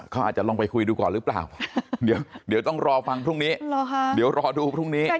เขาอาจจะลองไปคุยดูก่อนหรือเปล่าเดี๋ยวต้องรอฟังพรุ่งนี้เดี๋ยวรอดูพรุ่งนี้